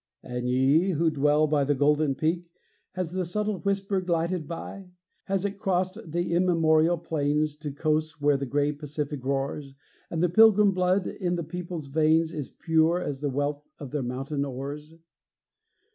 And ye, who dwell by the golden Peak, Has the subtle whisper glided by? Has it crost the immemorial plains To coasts where the gray Pacific roars, And the Pilgrim blood in the people's veins Is pure as the wealth of their mountain ores?